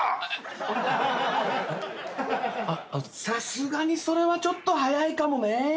さすがにそれはちょっと早いかもね。